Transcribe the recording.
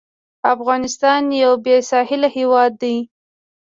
افغانستان یو بېساحله هېواد دی.